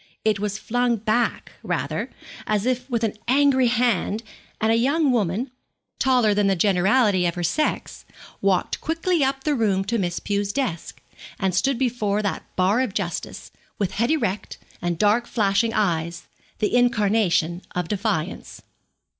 It was flung back, rather, as if with an angry hand, and a young woman, taller than the generality of her sex, walked quickly up the room to Miss Pew's desk, and stood before that bar of justice, with head erect, and dark flashing eyes, the incarnation of defiance.